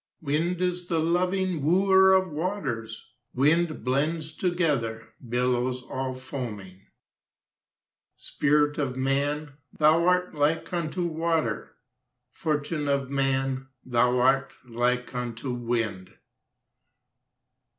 Wind is the loving Wooer of waters; Wind blends together Billows all foaming. Spirit of man, Thou art like unto water! Fortune of man, Thou art like unto wind!